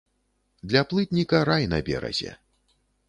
Для плытніка рай на беразе.